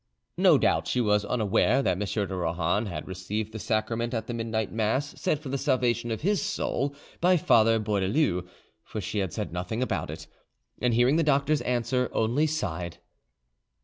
No doubt she was unaware that M. de Rohan had received the sacrament at the midnight mass said for the salvation of his soul by Father Bourdaloue, for she said nothing about it, and hearing the doctor's answer, only sighed.